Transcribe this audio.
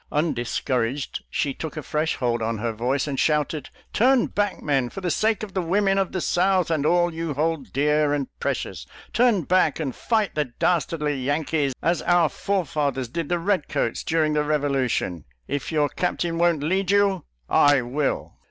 Undiscouraged, she took; a fresh hold on her, voice and shouted, " Turn back, men — .for the sake of the women Of the South and all you hold dear and precious, turn back and fight ■ the dastardly Yankees as our forefathers did the red coats during the Eevolution! If your captain won't lead you, I will."